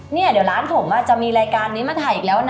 เนี่ยเดี๋ยวร้านผมจะมีรายการนี้มาถ่ายอีกแล้วนะ